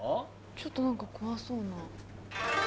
ちょっと何か怖そうな。